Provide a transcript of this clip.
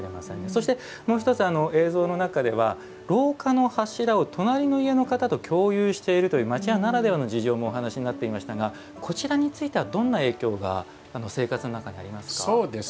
そしてもう一つ映像の中では廊下の柱を隣の家の方と共有しているという町家ならではの事情もお話しになっていましたがこちらについてはどんな影響が生活の中にありますか。